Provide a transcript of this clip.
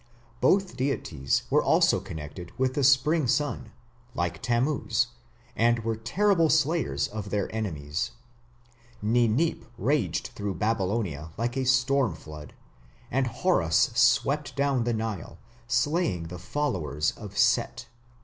Both deities were also connected with the spring sun, like Tammuz, and were terrible slayers of their enemies. Ninip raged through Babylonia like a storm flood, and Horus swept down the Nile, slaying the followers of Set.